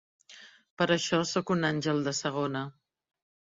Per això soc un àngel de segona.